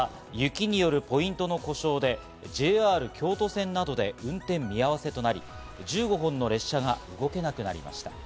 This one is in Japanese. また雪によるポイントの故障でＪＲ京都線などで運転見合わせとなり、１５本の列車が動けなくなりました。